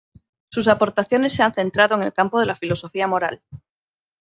Sus aportaciones se han centrado en el campo de la filosofía moral.